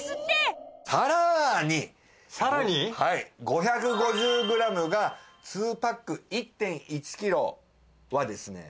５５０グラムが２パック１．１キロはですね